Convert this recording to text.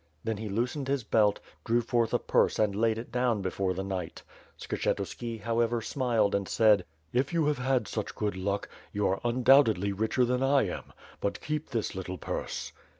Then he loosened his belt, drew forth a purse and laid it down before the knight. Skshetuski, however, smiled and said: "If you have had such good luck, you are undoubtedly richer than I am; but keep this little purse."